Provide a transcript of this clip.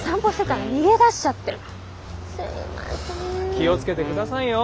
気を付けてくださいよ。